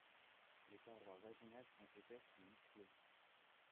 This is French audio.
Les parois vaginales sont épaisse et musclées.